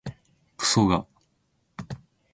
くそが